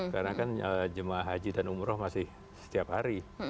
karena kan jemaah haji dan umroh masih setiap hari